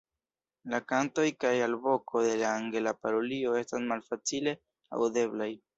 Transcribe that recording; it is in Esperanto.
La kantoj kaj alvoko de la Angela parulio estas malfacile aŭdeblaj.